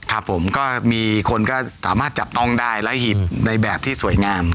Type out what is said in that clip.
ก็มีคนก็ถ้ามาให้จับตองได้แล้วหีบในแบบที่สวยงาม